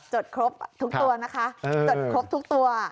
ดครบทุกตัวนะคะจดครบทุกตัว